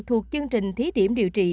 thuộc chương trình thí điểm điều trị